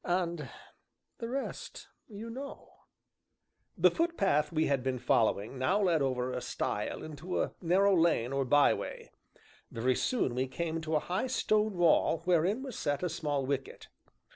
And the rest you know." The footpath we had been following now led over a stile into a narrow lane or byway. Very soon we came to a high stone wall wherein was set a small wicket.